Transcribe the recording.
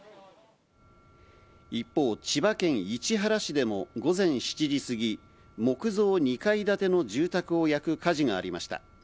一方、千葉県市原市でも午前７時過ぎ、木造２階建ての住宅を焼く火事がありました。